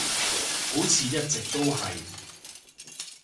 好似一直都係